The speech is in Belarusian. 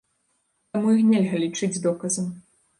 Таму іх нельга лічыць доказам.